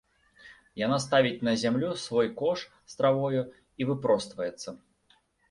Яна ставіць на зямлю свой кош з травою і выпростваецца.